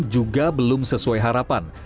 juga belum sesuai harapan